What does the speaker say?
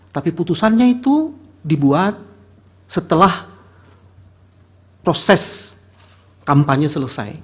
tapi putusannya itu dibuat setelah proses kampanye selesai